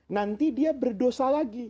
nanti dia berdosa lagi